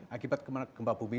akibat gempa bumi